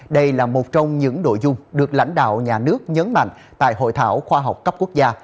đây là một trong những nội dung được lãnh đạo nhà nước nhấn mạnh tại hội thảo khoa học cấp quốc gia